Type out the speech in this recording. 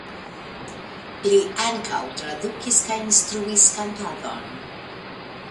Li ankaŭ tradukis kaj instruis kantadon.